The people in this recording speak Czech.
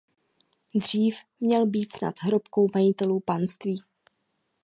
Dřív měl být snad hrobkou majitelů panství.